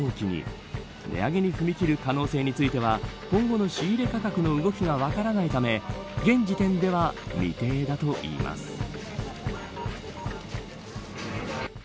値上げに踏み切る可能性については今後の仕入れ価格の動きが分からないため現時点では未定だといいます。